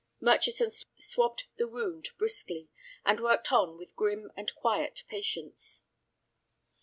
Murchison swabbed the wound briskly, and worked on with grim and quiet patience.